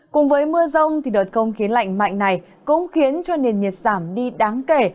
cùng với mưa rông đợt không khí lạnh mạnh này cũng khiến cho nền nhiệt giảm đi đáng kể